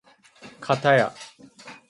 かたや